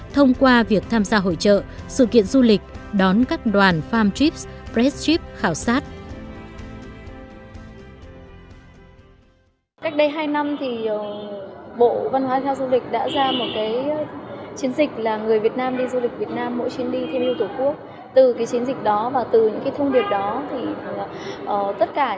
thông qua việc tham gia hội trợ sự kiện du lịch đón các đoàn farm trips press trips khảo sát